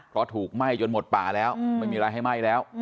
เพราะถูกไหม้จนหมดป่าแล้วไม่มีอะไรให้ไหม้แล้ว